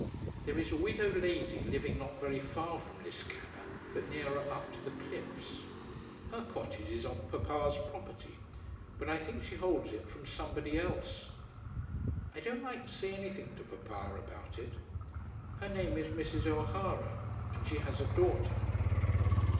There is a widow lady living not very far from Liscannor, but nearer up to the cliffs. Her cottage is on papa's property, but I think she holds it from somebody else. I don't like to say anything to papa about it. Her name is Mrs. O'Hara, and she has a daughter.